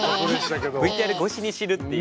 ＶＴＲ越しに知るっていう。